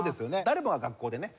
誰もが学校でね